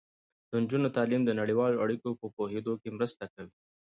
د نجونو تعلیم د نړیوالو اړیکو په پوهیدو کې مرسته کوي.